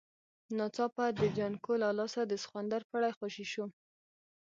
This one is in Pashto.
ناڅاپه د جانکو له لاسه د سخوندر پړی خوشی شو.